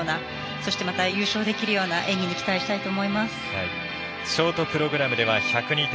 そしてまた優勝できるような演技にショートプログラムでは１０２点。